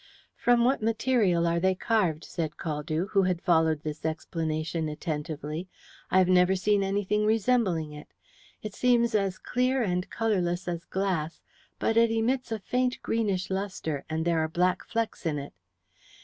"From what material are they carved?" said Caldew, who had followed this explanation attentively. "I have never seen anything resembling it. It seems as clear and colourless as glass, but it emits a faint greenish lustre, and there are black flecks in it."